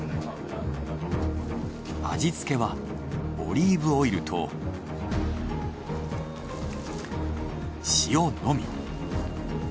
味付けはオリーブオイルと塩のみ。